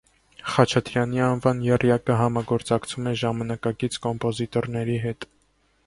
Խաչատրյանի անվան եռյակը համագործակցում է ժամանակակից կոմպոզիտորների հետ։